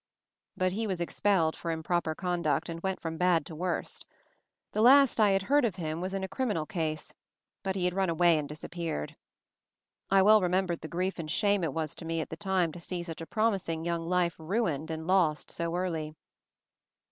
But he was expelled for improper conduct, and went from bad to worse. The last I had heard of him was in a criminal case — but he had run away and disappeared. I well remembered the grief and shame it was to me at the time to see such a promising young life ruined and lost so early.